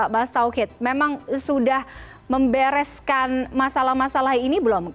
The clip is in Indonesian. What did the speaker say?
mas taukit memang sudah membereskan masalah masalah ini belum